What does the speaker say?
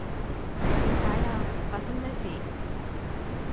點解呀？發生咩事？